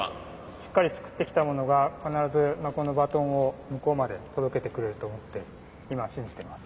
しっかり作ってきたものが必ずこのバトンを向こうまで届けてくれると思って今は信じてます。